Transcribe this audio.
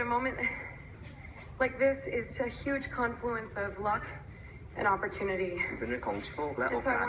เป็นเรื่องของโชคและโอกาส